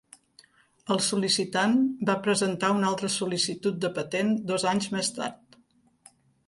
El sol·licitant va presentar una altra sol·licitud de patent dos anys més tard.